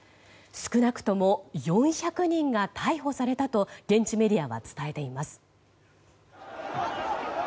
少なくとも４００人が逮捕されたと現地メディアは伝えています。